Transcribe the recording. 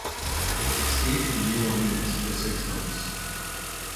He stayed in New Orleans for six months.